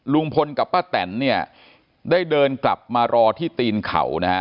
ลุงพลกับป้าแตนเนี่ยได้เดินกลับมารอที่ตีนเขานะฮะ